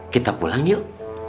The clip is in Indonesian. kita pulang yuk